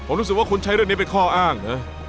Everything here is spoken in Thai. ผมรู้สึกว่าคุณใช้เรื่องนี้เป็นข้ออ้างนะ